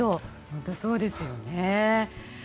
本当そうですよね。